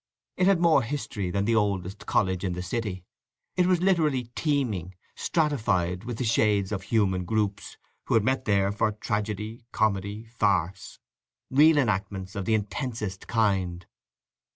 It had more history than the oldest college in the city. It was literally teeming, stratified, with the shades of human groups, who had met there for tragedy, comedy, farce; real enactments of the intensest kind.